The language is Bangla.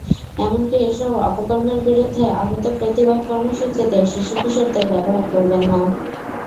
এমনকি এসব অপকর্মের বিরুদ্ধে আহূত প্রতিবাদ কর্মসূচিতেও শিশু-কিশোরদের ব্যবহার করবেন না।